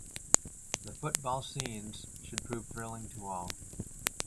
The football scenes should prove thrilling to all.